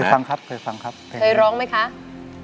เคยฟังครับเคยฟังครับเคยฟังครับ